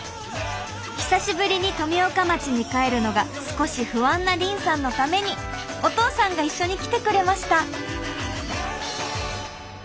久しぶりに富岡町に帰るのが少し不安な凜さんのためにお父さんが一緒に来てくれました。